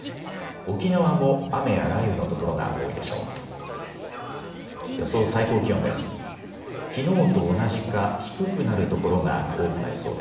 沖縄も雨や雷雨の所が多いでしょう。